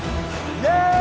イエーイ